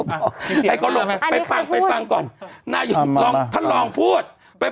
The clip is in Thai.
ใครก็ลงไปฟังไปฟังก่อนนายกลองท่านลองพูดไป